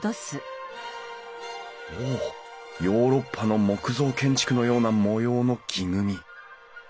おおヨーロッパの木造建築のような模様の木組み。